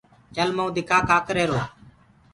چل مئو دکآ ڪآ ڪريهروئي